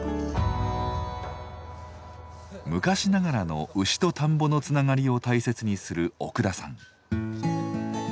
昔ながらの牛と田んぼのつながりを大切にする奥田さん。